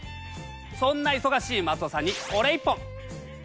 そんな忙しい松尾さんにこれ１本！